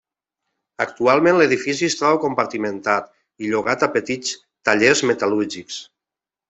Actualment l'edifici es troba compartimentat i llogat a petits tallers metal·lúrgics.